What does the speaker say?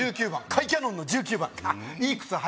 １９番甲斐キャノンの１９番いい靴